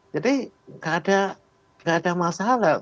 jadi gak ada masalah